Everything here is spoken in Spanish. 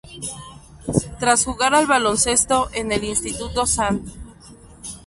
Tras jugar al baloncesto en el Instituto St.